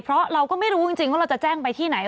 เพราะเราก็ไม่รู้จริงว่าเราจะแจ้งไปที่ไหน